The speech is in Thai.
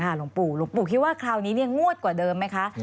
หลวงปู่คิดว่าคราวนี้เนี่ยงวดกว่าเดิมไหมคะ